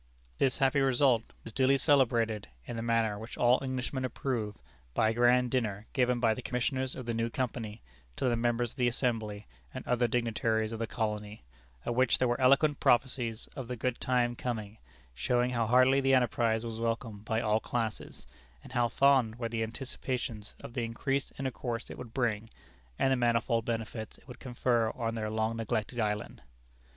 This happy result was duly celebrated, in the manner which all Englishmen approve, by a grand dinner given by the commissioners of the new Company, to the members of the Assembly and other dignitaries of the colony, at which there were eloquent prophecies of the good time coming, showing how heartily the enterprise was welcomed by all classes; and how fond were the anticipations of the increased intercourse it would bring, and the manifold benefits it would confer on their long neglected island.